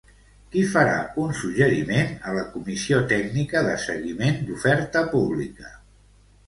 Qui farà un suggeriment a la Comissió Tècnica de Seguiment d'Oferta Pública?